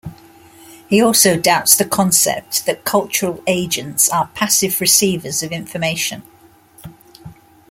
He also doubts the concept that cultural agents are passive receivers of information.